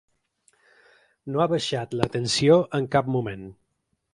No ha baixat la tensió en cap moment.